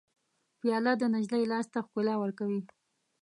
پیاله د نجلۍ لاس ته ښکلا ورکوي.